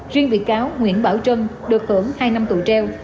riêng bị cáo nguyễn bảo trân được hưởng hai năm tù treo